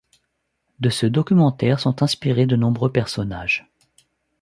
De ce documentaire sont inspirés de nombreux personnages.